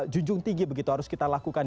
junjung tinggi begitu harus kita lakukan